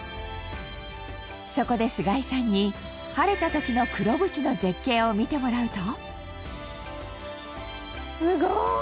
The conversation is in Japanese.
そこで菅井さんに晴れた時の黒淵の絶景を見てもらうと。